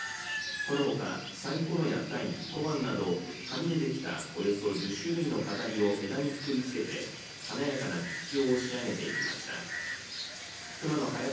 このほか、さいころやたい小判など紙でできたおよそ１０種類の飾りを枝にくくりつけて華やかな吉兆を仕上げていきました。